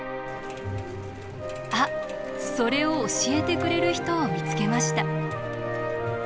あっそれを教えてくれる人を見つけました。